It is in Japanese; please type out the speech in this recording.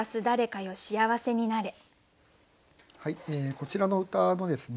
こちらの歌のですね